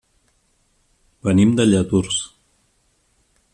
Venim de Lladurs.